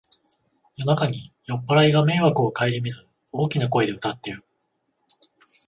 夜中に酔っぱらいが迷惑をかえりみず大きな声で歌ってる